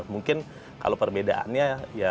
mungkin kalau perbedaannya ya